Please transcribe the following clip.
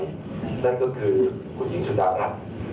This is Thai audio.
นั่นก็คือคุณหญิงสุดารัฐ